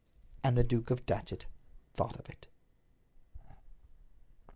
And the Duke of Datchet thought of it.